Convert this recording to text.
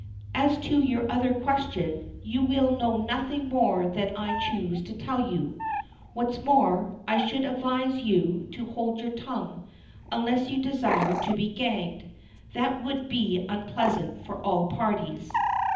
"As to your other question, you will know nothing more than I choose to tell you. What's more, I should advise you to hold your tongue, unless you desire to be gagged. That would be unpleasant for all parties."